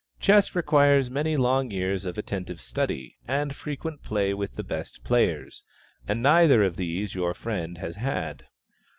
Chess requires many long years of attentive study, and frequent play with the best players, and neither of these your friend has had.